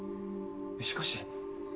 しかし。